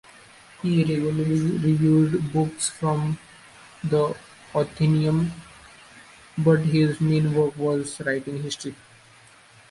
He regularly reviewed books for the "Athenaeum" but his main work was writing history.